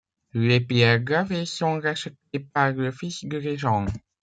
Les pierres gravées sont rachetées par le fils du régent.